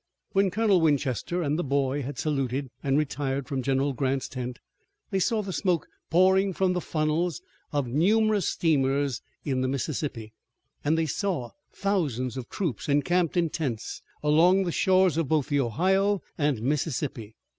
When Colonel Winchester and the boy had saluted and retired from General Grant's tent they saw the smoke pouring from the funnels of numerous steamers in the Mississippi, and they saw thousands of troops encamped in tents along the shores of both the Ohio and Mississippi.